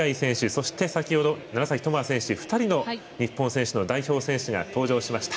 そして、先ほど楢崎智亜選手２人の日本選手の代表選手が登場しました。